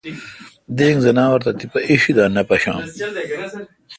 دینگ زناور تہ تیپہ اݭی دا نہ پشان۔